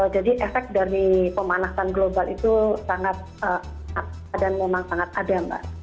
jadi efek dari pemanasan global itu sangat dan memang sangat ada mbak